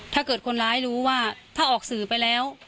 ถ้าเกิดคนร้ายรู้ว่าถ้าออกสื่อไปแล้ว